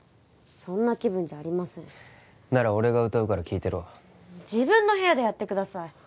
そんな気分じゃありませんなら俺が歌うから聴いてろ自分の部屋でやってください